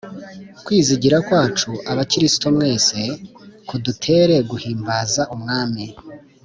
kwizigira kwacu, bakristo mwese, kudutere guhimbaza umwami